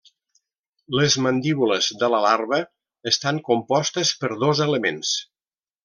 Les mandíbules de la larva estan compostes per dos elements.